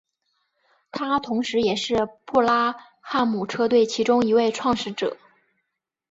他同时也是布拉汉姆车队其中一位创始者。